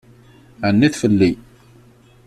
Ɛennit fell-i.